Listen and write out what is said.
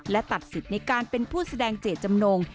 และตัดสิทธิ์ในการเป็นผู้แสดงเจตจำนง